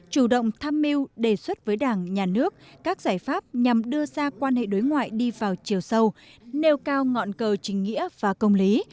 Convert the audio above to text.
chủ động tham mưu đề xuất với đảng nhà nước các giải pháp nhằm đưa ra quan hệ đối ngoại đi vào chiều sâu nêu cao ngọn cờ chính nghĩa và công lý